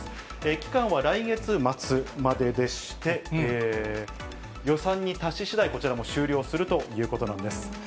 期間は来月末まででして、予算に達ししだい、こちらも終了するということなんです。